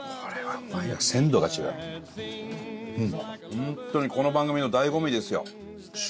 本当にこの番組の醍醐味ですよ。